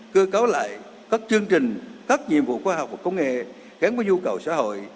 cơ cáo lại các chương trình các nhiệm vụ khoa học và công nghệ gắn với nhu cầu xã hội